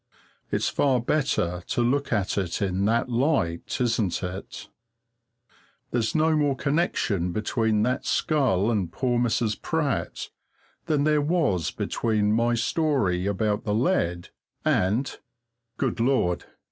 It's far better to look at it in that light, isn't it? There's no more connection between that skull and poor Mrs. Pratt than there was between my story about the lead and Good Lord!